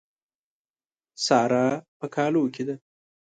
سارا په کالو کې ده.